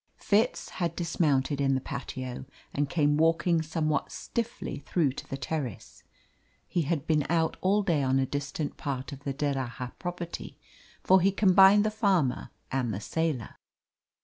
Fitz had dismounted in the patio and came walking somewhat stiffly through to the terrace. He had been out all day on a distant part of the D'Erraha property, for he combined the farmer and the sailor.